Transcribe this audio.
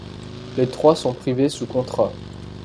Les trois sont privés sous contrat.